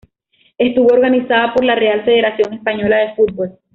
Estuvo organizada por la Real Federación Española de Fútbol.